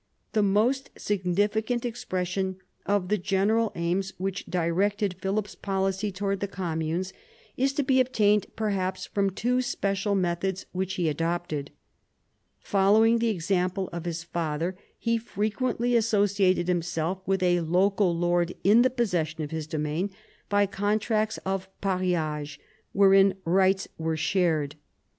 The most significant expression of the general aims which directed Philip's policy towards the communes is to be obtained, perhaps, from two special methods which he adopted. Following the example of his father he frequently associated himself with a local lord in the possession of his domain by contracts of pariage, wherein rights were shared.